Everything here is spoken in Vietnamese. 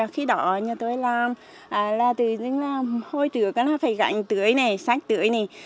khi đó nhà tôi làm là tự nhiên hôi tửa phải gạch tưới sách tưới